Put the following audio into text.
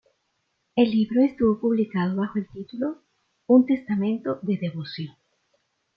El libro estuvo publicado bajo el título "Un Testamento de Devoción.